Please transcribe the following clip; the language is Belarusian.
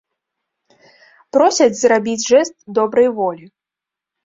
Просяць зрабіць жэст добрай волі.